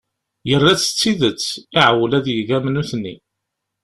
Yerra-tt d tidet, iεewwel ad yeg am nutni.